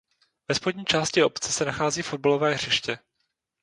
Ve spodní části obce se nachází fotbalové hřiště.